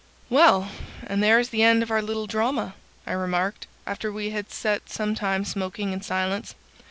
"Well, and there is the end of our little drama," I remarked, after we had set some time smoking in silence.